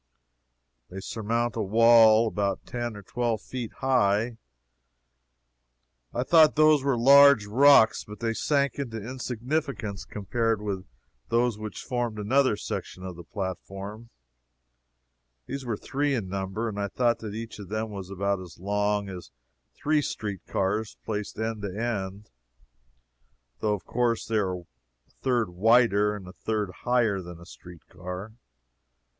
They surmount a wall about ten or twelve feet high. I thought those were large rocks, but they sank into insignificance compared with those which formed another section of the platform. These were three in number, and I thought that each of them was about as long as three street cars placed end to end, though of course they are a third wider and a third higher than a street car.